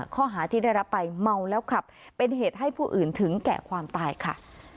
ข้อหาที่ได้รับไปเมาแล้วขับเป็นเหตุให้ผู้อื่นถึงแก่ความตายค่ะ